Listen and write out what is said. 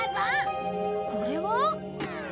これは？